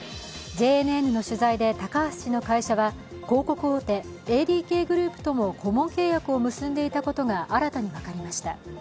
ＪＮＮの取材で、高橋氏の会社は広告大手ＡＤＫグループとも顧問契約を結んでいたことが新たに分かりました。